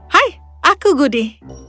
hai aku guddi